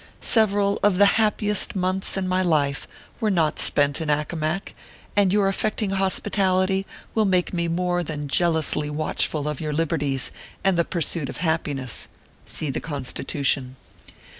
Several of the happiest months in my life were not spent in Accomac, and your affecting hospitality will make me more than jealously watchful of your liberties and the pursuit of happiness. (See the Constitution.)